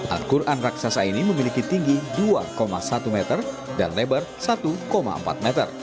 al quran raksasa ini memiliki tinggi dua satu meter dan lebar satu empat meter